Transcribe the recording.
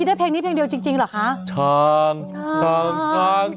ไม่ต้องยาว